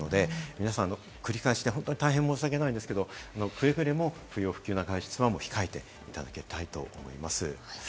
皆さん、繰り返しで大変申し訳ないんですけれど、くれぐれも不要不急の外出は控えていただきたいと思います。